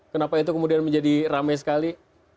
kenapa itu kemudian menjadi rame sekali